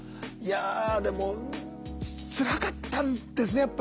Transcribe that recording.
いやでもつらかったんですね